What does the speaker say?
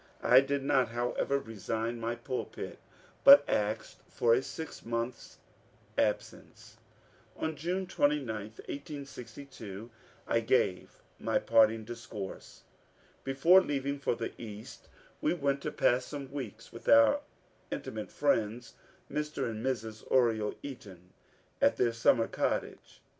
I did not, however, resign my pulpit, but asked for a six months' absence. On June 29, 1862, I gave my parting discourse. Before leaving for the East we went to pass some weeks with our intimate friends, Mr. and Mrs. Oriel Eaton, at their summer cottage.